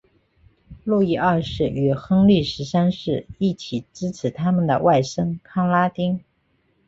路易二世与亨利十三世一起支持他们的外甥康拉丁。